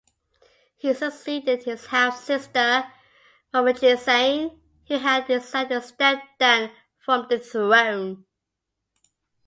He succeeded his half-sister Mamochisane, who had decided to step down from the throne.